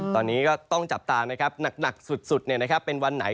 ตัวนี้ก็ต้องจัดตามนะครับหนักสุดนะครับเป็นวันใหน